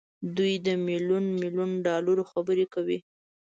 دوی د ميليون ميليون ډالرو خبرې کوي.